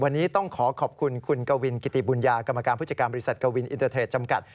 วันนี้ต้องขอขอบคุณคุณกวินกิติบุญญากรรมการผู้จัดการบริษัทกวินอินเตอร์เทรดจำกัด